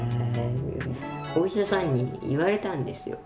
お医者さんに言われたんですよ。